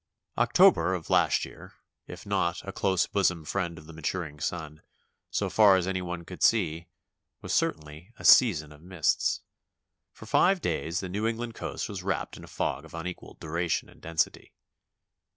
October of last year,^ if not a "close bosom friend of the maturing sun," so far as any one could see, was certainly a "season of mists." For five days the New England coast was wrapped in a fog of unequalled duration and density.